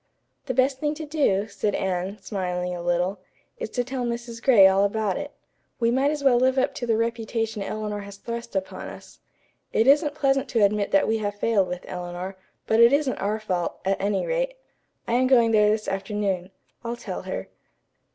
"The best thing to do," said Anne, smiling a little, "is to tell Mrs. Gray all about it. We might as well live up to the reputation Eleanor has thrust upon us. It isn't pleasant to admit that we have failed with Eleanor, but it isn't our fault, at any rate. I am going there this afternoon. I'll tell her."